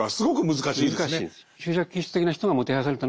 難しいです。